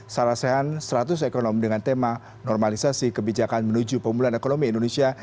sarasehan seratus ekonomi dengan tema normalisasi kebijakan menuju pemulihan ekonomi indonesia